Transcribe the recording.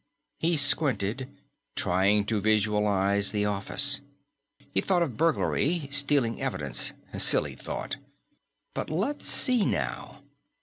He squinted, trying to visualize the office. He thought of burglary, stealing evidence silly thought. But let's see, now.